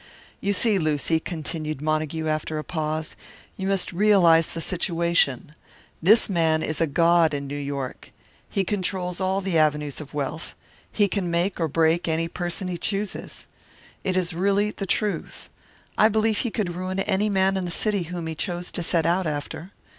"You see, Lucy," continued Montague, after a pause, "you must realise the situation. This man is a god in New York. He controls all the avenues of wealth; he can make or break any person he chooses. It is really the truth I believe he could ruin any man in the city whom he chose to set out after.